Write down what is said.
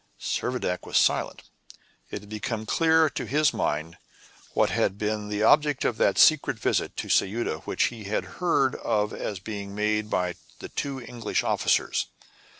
Servadac was silent. It had become clear to his mind what had been the object of that secret visit to Ceuta which he had heard of as being made by the two English officers.